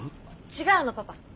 違うのパパ。